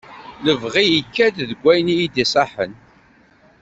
Lebɣi-w yekka deg wayen iyi-d-iṣaḥen.